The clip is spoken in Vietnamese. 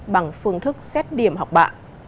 bằng phương thức xét điểm học bạ